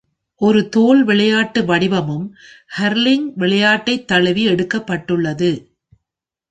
ஒரு தோல் விளையாட்டு வடிவமும் கர்லிங் விளையாட்டை தழுவி எடுக்கப்பட்டுள்ளது.